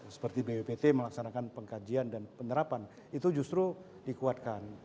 seperti bwpt melaksanakan pengkajian dan penerapan itu justru dikuatkan